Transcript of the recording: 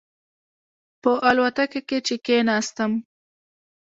په الوتکه کې چې کېناستم.